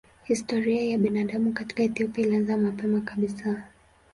Historia ya binadamu katika Ethiopia ilianza mapema kabisa.